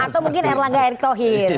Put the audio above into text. atau mungkin erlangga erktohir